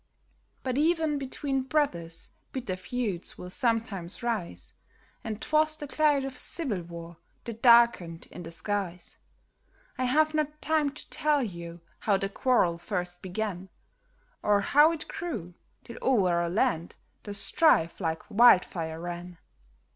DECEMBER 26, I91O 63 But even between brothers bitter feuds will sometimes rise, And 'twas the cloud of civil war that darkened in the skies ; I have not time to tell you how the quarrel first began, Or how it grew, till o'er our land the strife like wildfire ran.